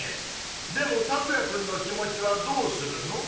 でもタクヤくんの気持ちはどうするの？